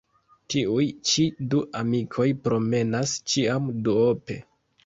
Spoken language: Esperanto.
Tiuj ĉi du amikoj promenas ĉiam duope.